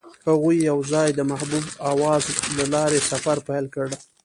هغوی یوځای د محبوب اواز له لارې سفر پیل کړ.